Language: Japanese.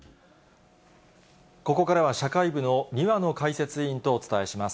ここからは社会部の庭野解説委員とお伝えします。